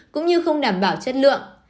cũng như không đảm bảo chất lượng